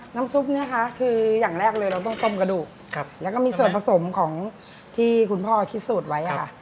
ซุปนะคะคืออย่างแรกเลยเราต้องต้มกระดูกแล้วก็มีส่วนผสมของที่คุณพ่อคิดสูตรไว้ค่ะ